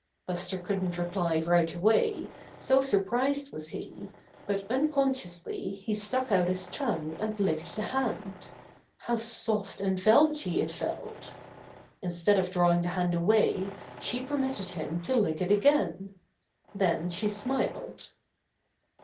Buster couldn't reply right away, so sur prised was he, but unconsciously he stuck out his tongue and licked the hand. How soft and velvety it felt! Instead of drawing the hand away, she permitted him to lick it again. Then she smiled.